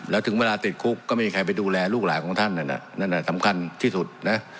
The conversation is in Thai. แล้วถึงเวลาติดคุกก็ไม่มีใครไปดูแลลูกหลานของท่านนั่นน่ะนั่นสำคัญที่สุดนะ